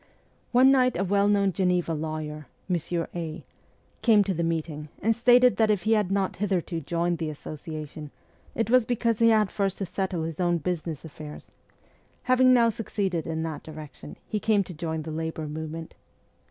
One night a well known Geneva lawyer, Monsieur A., came to the meeting, and stated that if he had not hitherto joined the Association it was because he had first to settle his own business affairs ; having now succeeded in that direction, he came to join the labour movement.